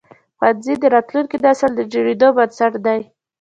ښوونځي د راتلونکي نسل د جوړېدو بنسټ دي.